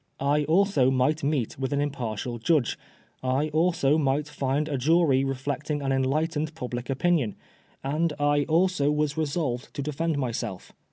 I also might meet with an impartial judge, I also might find a jury reflecting an enlightened public opinion, and I also was resolved to defend myself.